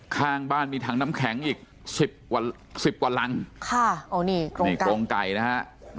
ข้างบ้านมีถังน้ำแข็งอีกสิบกว่าสิบกว่ารังค่ะโอ้นี่กรงนี่กรงไก่นะฮะ